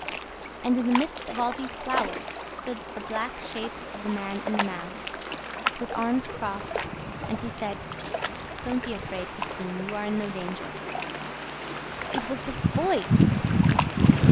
And, in the midst of all these flowers, stood the black shape of the man in the mask, with arms crossed, and he said, 'Don't be afraid, Christine; you are in no danger.' IT WAS THE VOICE!